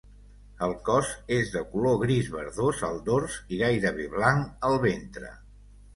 El cos és de color gris verdós al dors i gairebé blanc al ventre.